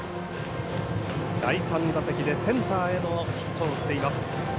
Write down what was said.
第３打席でセンターへのヒットを打っています。